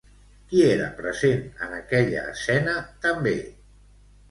Qui era present en aquella escena, també?